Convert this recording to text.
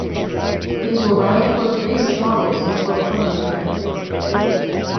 These were ride-to-work basic models, in a world hungry for transport.